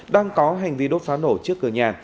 đang có hành vi đốt pháo nổ trước cửa nhà